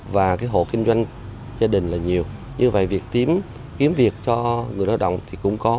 và cái hộ kinh doanh gia đình là nhiều như vậy việc kiếm kiếm việc cho người lao động thì cũng có